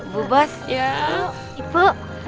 bu bos ibu